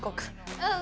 うん。